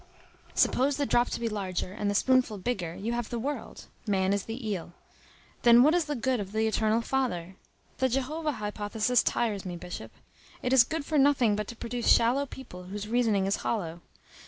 Suppose the drop to be larger and the spoonful bigger; you have the world. Man is the eel. Then what is the good of the Eternal Father? The Jehovah hypothesis tires me, Bishop. It is good for nothing but to produce shallow people, whose reasoning is hollow.